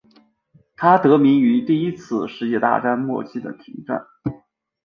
它得名于第一次世界大战末期的停战。